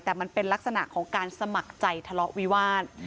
แต่มันเป็นลักษณะของการสมัครใจทะเลาะวิวาส